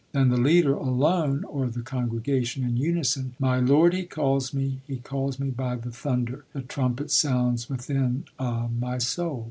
_ Then the leader alone or the congregation in unison: _My Lord he calls me, He calls me by the thunder, The trumpet sounds within a my soul.